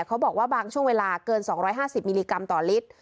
เขาบอกว่าบางช่วงเวลาเกิน๒๕๐มิลลิกรัมต่อลิตร